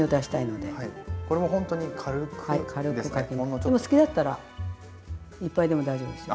でもお好きだったらいっぱいでも大丈夫ですよ。